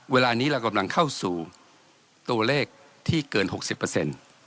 เวลานี้เรากำลังเข้าสู่ตัวเลขที่เกินหกสิบเปอร์เซ็นต์